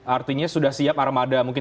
artinya sudah siap armada mungkin